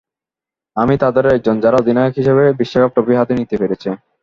আমি তাদেরই একজন, যারা অধিনায়ক হিসেবে বিশ্বকাপ ট্রফি হাতে নিতে পেরেছে।